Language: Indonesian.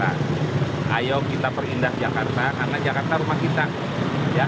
ayo kita perindah jakarta karena jakarta rumah kita